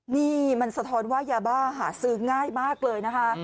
นี่มันสะท้อนว่ายาบ้าหาซื้อง่ายมากเลยนะคะ